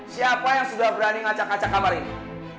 siapa yang sudah berani ngaca ngaca kamar ini